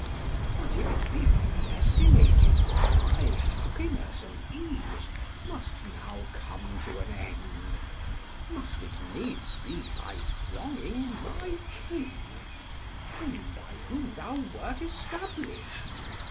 But if it be predestinated that thy happiness and ease must now come to an end, must it needs be by wronging my king, him by whom thou wert established?